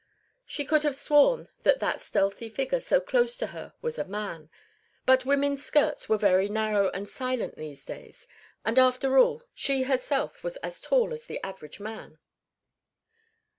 She could have sworn that that stealthy figure so close to her was a man, but women's skirts were very narrow and silent these days, and after all she herself was as tall as the average man.